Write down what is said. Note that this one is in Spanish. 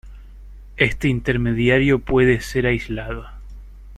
Este intermediario puede ser aislado.